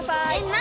何？